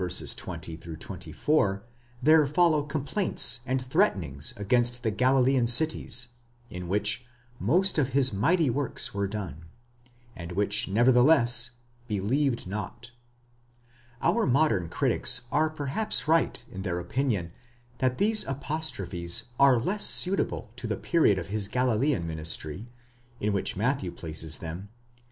20 24, there follow complaints and threatenings against the Galilean cities, in which most of his mighty works were done, and which, nevertheless, de/ieved not. Our modern critics are perhaps right in their opinion that these apostrophes are less suitable to the period of his Galilean ministry, in which Matthew places 8 Comp. De Wette, exeg.